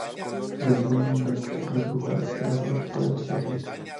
Durante su mandato se produjo el regreso de los Padres Jesuítas.